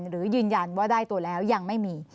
หรือยืนยันว่าได้ตัวแล้วยังไม่มี